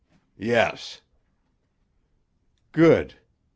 "Yes." "Good.